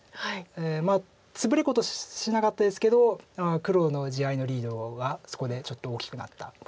まあツブレこそしなかったですけど黒の地合いのリードがそこでちょっと大きくなった感じです。